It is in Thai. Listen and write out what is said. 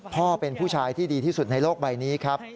พ่อเป็นผู้ชายที่ดีที่สุดในโลกใบนี้ครับ